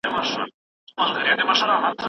لکه د اوبو او ډبرو د مینې يوه رڼه شېبه